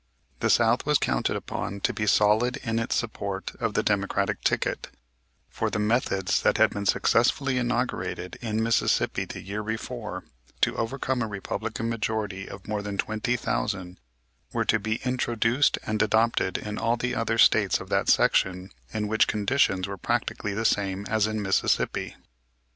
The South was counted upon to be solid in its support of the Democratic ticket, for the methods that had been successfully inaugurated in Mississippi the year before, to overcome a Republican majority of more than twenty thousand, were to be introduced and adopted in all the other States of that section in which conditions were practically the same as in Mississippi.